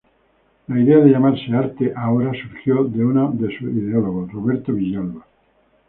La idea de llamarse Arte Ahora surgió de uno de sus ideólogos, Roberto Villalba.